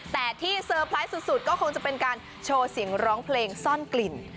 แต่ที่เซอร์ไพรส์สุดก็คงจะเป็นการโชว์เสียงร้องเพลงซ่อนกลิ่น